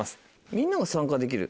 みんなが参加できる？